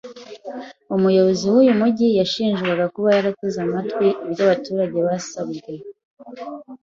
Umuyobozi wuyu mujyi yashinjwaga kuba yarateze amatwi ibyo abaturage basabye